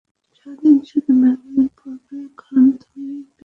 সারাদিন শুধু ম্যাগাজিন পড়বে, কারণ তুমি বীরপুরুষ।